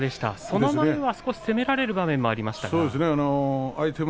その前は少し攻められる場面もありましたね。